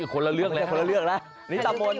คนละเลือกนะ